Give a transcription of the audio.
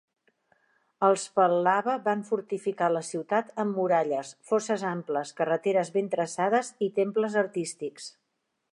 Els Pal·lava van fortificar la ciutat amb muralles, fosses amples, carreteres ben traçades i temples artístics.